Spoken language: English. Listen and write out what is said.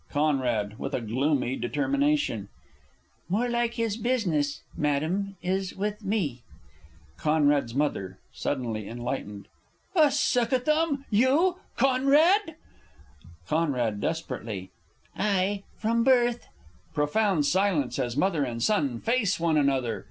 Con. (with a gloomy determination). More like his business, Madam, is with Me! C.'s M. (suddenly enlightened). A Suck a thumb? ... you, CONRAD? C. (desperately). Ay, from birth! [_Profound silence, as Mother and Son face one another.